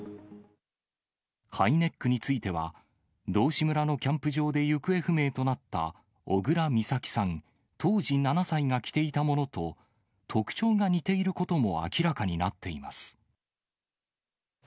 ハイネックについては、道志村のキャンプ場で行方不明となった、小倉美咲さん当時７歳が着ていたものと、特徴が似ていることも明らかになっています。